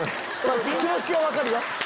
気持ちは分かるよ。